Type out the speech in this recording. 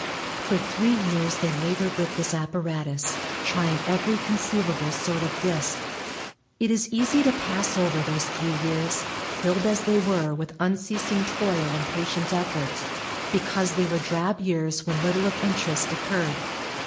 For three years they labored with this apparatus, trying every conceivable sort of disk. It is easy to pass over those three years, filled as they were with unceasing toil and patient effort, because they were drab years when little of interest occurred.